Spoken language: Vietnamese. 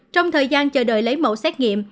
trong thời gian chờ đợi lấy mẫu xét nghiệm